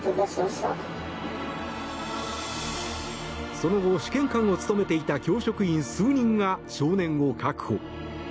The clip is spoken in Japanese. その後、試験官を務めていた教職員数人が少年を確保。